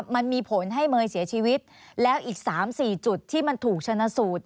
มันมีผลให้เมย์เสียชีวิตแล้วอีก๓๔จุดที่มันถูกชนะสูตร